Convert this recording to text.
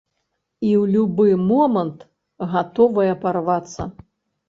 І ў любы момант гатовая парвацца.